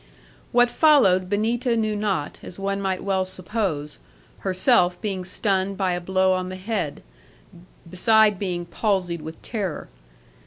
'What followed Benita knew not, as one might well suppose, herself being stunned by a blow on the head, beside being palsied with terror.